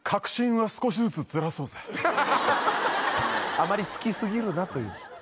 あまり突き過ぎるなという。